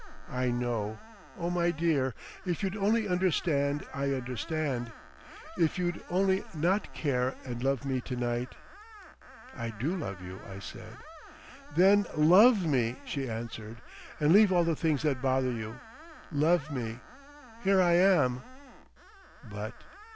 "I know. Oh! my dear, if you'd only understand I understand. If you'd only not care—and love me to night." "I do love you," I said. "Then love me," she answered, "and leave all the things that bother you. Love me! Here I am!" "But!